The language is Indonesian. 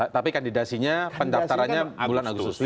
tapi kandidasinya pendaftarannya bulan agustus